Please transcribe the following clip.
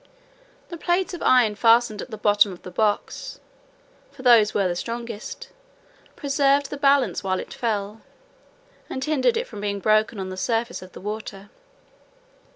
The plates of iron fastened at the bottom of the box (for those were the strongest) preserved the balance while it fell, and hindered it from being broken on the surface of the water.